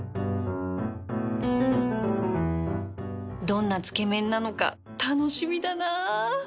どんなつけ麺なのか楽しみだな